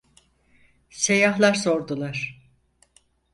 Seyyahlar sordular: